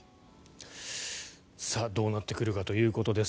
どうなってくるかということです。